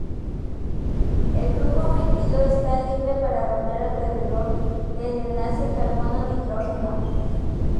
El grupo metilo está libre para rotar alrededor del enlace carbono-nitrógeno.